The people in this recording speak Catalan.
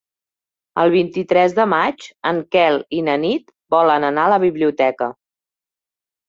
El vint-i-tres de maig en Quel i na Nit volen anar a la biblioteca.